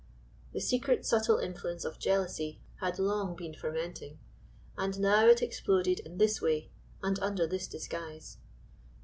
The secret subtle influence of jealousy had long been fermenting, and now it exploded in this way and under this disguise.